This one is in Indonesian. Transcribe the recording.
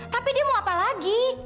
tapi dia mau apa lagi